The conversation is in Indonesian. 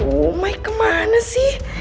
oh my kemana sih